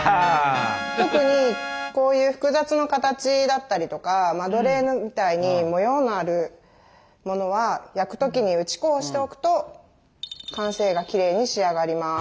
特にこういう複雑な形だったりとかマドレーヌみたいに模様のあるものは焼く時に打ち粉をしておくと完成がきれいに仕上がります。